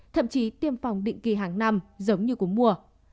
thậm chí tiêm phòng định kỳ hàng năm giống như cúng mùa